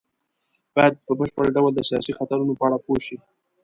بايد په بشپړ ډول د سياسي خطرونو په اړه پوه شي.